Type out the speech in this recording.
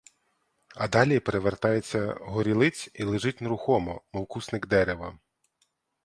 А далі перевертається горілиць і лежить нерухомо, мов кусник дерева.